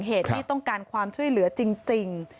เหตุที่ต้องการความช่วยเหลือจริง